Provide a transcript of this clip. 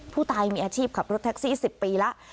ผู้ตายมีอาชีพขับรถแท็กซี่๑๐ปีแล้ว